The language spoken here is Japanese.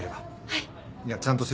はい。